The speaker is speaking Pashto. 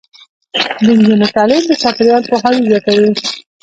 د نجونو تعلیم د چاپیریال پوهاوی زیاتوي.